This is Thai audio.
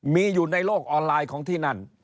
มีอยู่ในโลกออนไลน์ของที่นั่น